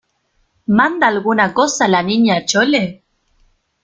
¿ manda alguna cosa la Niña Chole?